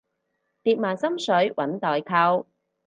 疊埋心水搵代購